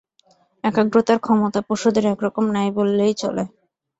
একাগ্রতার ক্ষমতা পশুদের একরকম নাই বলিলেই চলে।